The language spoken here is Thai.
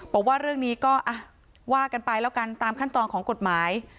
บอกว่าเรื่องนี้ก็ว่ากันไปแล้วกันตามขั้นตอนของกฎหมาย